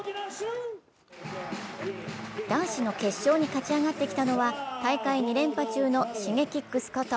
男子の決勝に勝ち上がってきたのは大会２連覇中のＳｈｉｇｅｋｉｘこと